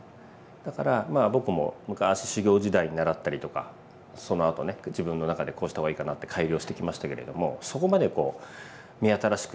だから僕も昔修業時代習ったりとかそのあとね自分の中でこうした方がいいかなって改良してきましたけれどもそこまでこう目新しくはしてないんですけれども。